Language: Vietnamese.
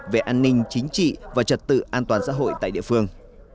về an ninh chính trị và trật tự an toàn xã hội tại địa phương